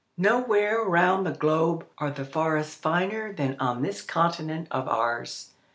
Nowhere round the globe are the forests finer than on this continent of ours.